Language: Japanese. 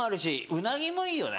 うなぎもいいよね。